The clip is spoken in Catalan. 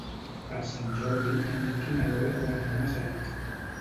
Per Sant Jordi en Lluc i na Lola volen anar a Masarac.